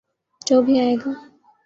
جو بھی آئے گا۔